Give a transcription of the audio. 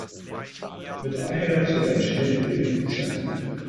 Mit Anhänger zu rangieren, will geübt sein.